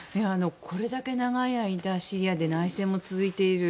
これだけ長い間シリアで内戦も続いている。